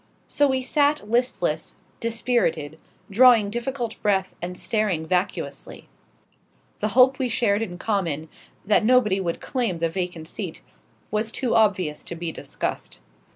So we sat listless, dispirited, drawing difficult breath and staring vacuously. The hope we shared in common that nobody would claim the vacant seat was too obvious to be discussed.